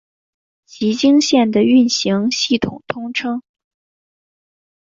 崎京线的运行系统通称。